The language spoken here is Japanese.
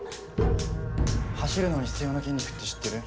走るのに必要な筋肉って知ってる？